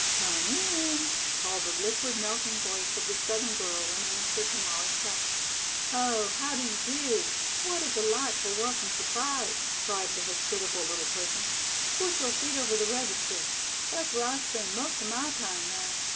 "Come in," called the liquid, melting voice of the Southern girl in answer to Molly's tap. "Oh, how do you do? What a delightful, welcome surprise," cried the hospitable little person. "Put your feet over the register. That's where I spend most of my time now.